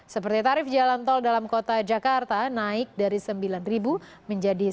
seperti tarif jalan tol dalam kota jakarta naik dari rp sembilan menjadi rp satu